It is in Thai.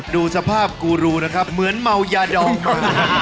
ดูสภาพกูรูนะครับเหมือนเมายาดองเลย